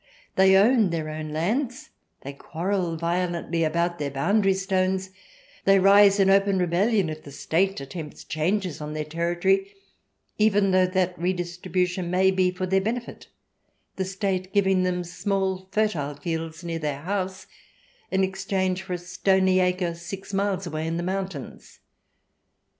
They own their own lands, they quarrel violently about their boundary stones, they rise in open rebellion if the State attempts changes on their territory, even though that redistribution may be for their benefit, the State giving them small fertile fields near their house in exchange for a stony acre six miles away in the mountains.